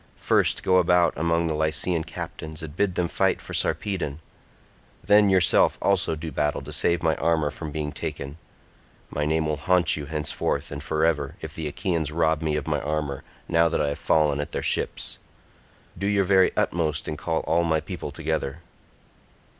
First go about among the Lycian captains and bid them fight for Sarpedon; then yourself also do battle to save my armour from being taken. My name will haunt you henceforth and for ever if the Achaeans rob me of my armour now that I have fallen at their ships. Do your very utmost and call all my people together."